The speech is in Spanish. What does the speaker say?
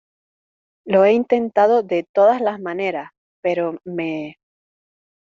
lo he intentado de todas las maneras, pero me...